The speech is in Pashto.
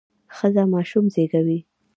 ښځه ماشوم زیږوي.